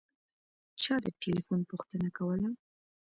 چا د تیلیفون پوښتنه کوله.